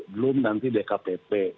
belum nanti dkpp